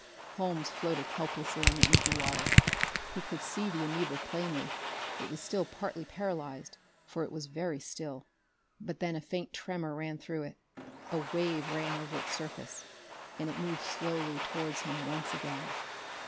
Holmes floated helplessly on the inky water. He could see the amoeba plainly; it was still partly paralyzed, for it was very still. But then a faint tremor ran through it; a wave ran over its surface and it moved slowly towards him once again.